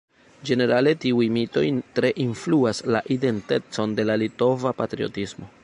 Ĝenerale tiuj mitoj tre influas la identecon de la litova patriotismo.